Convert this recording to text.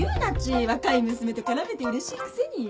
若い娘と絡めてうれしいくせに。